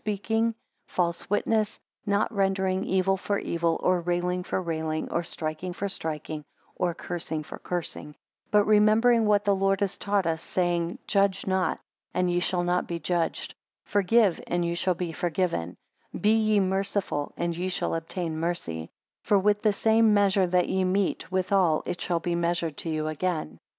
speaking; false witness; not rendering evil for evil, or railing for railing, or striking for striking, or cursing for cursing: 10 But remembering what the Lord has taught us saying, Judge not, and ye shall not be judged; forgive and ye shall be forgiven; be ye merciful, and ye shall obtain mercy; for with the same measure that ye meet withal, it shall be measured to you again.